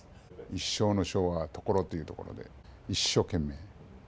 一所の所は所というところで一所懸命。